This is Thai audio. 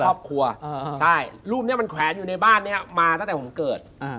ครอบครัวใช่รูปนี้มันแขวนอยู่ในบ้านนี้มาตั้งแต่ผมเกิด